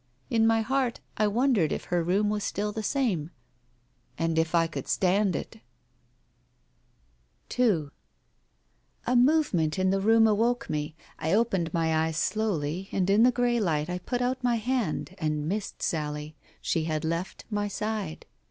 In my heart I wondered if her room was still the same, and if I could stand it ! II A movement in the room awoke me. I opened my eyes slowly, and in the grey light I put out my hand and missed Sally. She had left my side.